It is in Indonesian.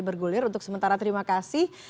bergulir untuk sementara terima kasih